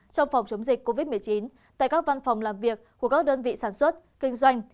trong phòng chống dịch covid một mươi chín tại các văn phòng làm việc của các đơn vị sản xuất kinh doanh